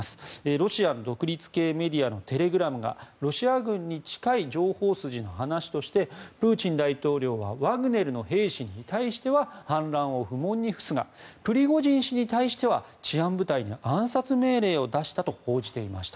ロシアの独立系メディアのテレグラムがロシア軍に近い情報筋の話としてプーチン大統領はワグネルの兵士に対しては反乱を不問に付すがプリゴジン氏に対しては治安部隊に暗殺命令を出したと報じています。